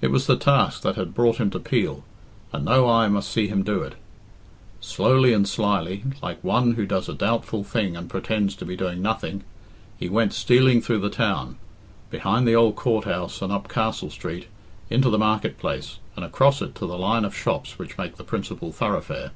It was the task that had brought him to Peel, and no eye must see him do it. Slowly and slyly, like one who does a doubtful thing and pretends to be doing nothing, he went stealing through the town behind the old Court house and up Castle Street, into the market place, and across it to the line of shops which make the principal thoroughfare.